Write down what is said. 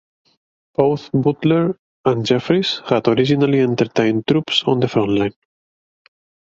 Both Butler and Jeffries had originally entertained troops on the frontline.